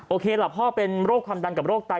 ล่ะพ่อเป็นโรคความดันกับโรคไต